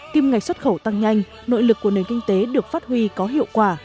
kim ngạch xuất khẩu tăng nhanh nội lực của nền kinh tế được phát huy có hiệu quả